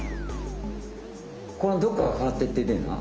このどっかが変わっていっててんな？